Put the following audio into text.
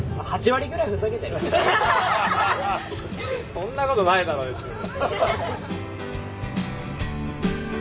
そんなことないだろ別に。